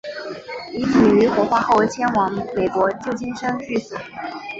遗体于火化后迁往美国旧金山寓所。